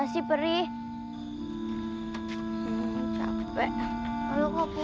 seperti segampang konfcas